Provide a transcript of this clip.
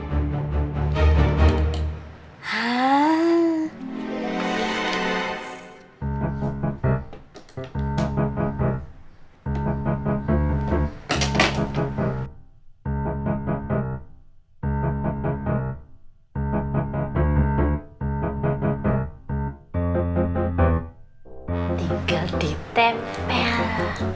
tinggal di tempel